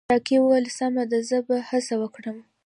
ساقي وویل سمه ده زه به هڅه وکړم.